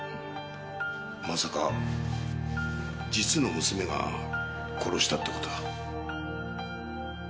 まさか実の娘が殺したってことは。